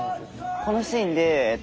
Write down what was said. このシーンでえ！